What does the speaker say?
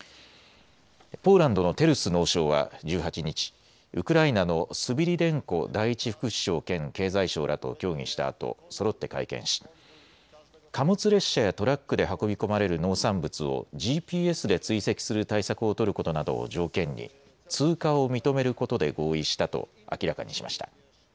ポーランドのテルス農相は１８日、ウクライナのスビリデンコ第１副首相兼経済相らと協議したあとそろって会見し貨物列車やトラックで運び込まれる農産物をＧＰＳで追跡する対策を取ることなどを条件に通過を認めることで合意したと明らかにしました。